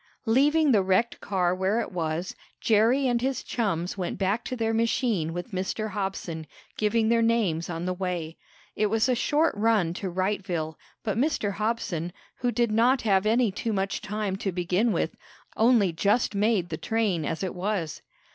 Leaving the wrecked car where it was, Jerry and his chums went back to their machine with Mr. Hobson, giving their names on the way. It was a short run to Wrightville, but Mr. Hobson, who did not have any too much time to begin with, only just made the train as it was.